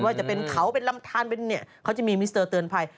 ว่าจะเป็นเขาเป็นลำทานเขาจะมีมิสเตอร์เตือนภัย